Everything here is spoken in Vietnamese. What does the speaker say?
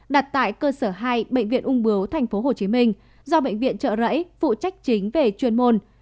đặt tại cơ sở hai bệnh viện ung bướu tp hcm do bệnh viện trợ rẫy phụ trách chính về chuyên môn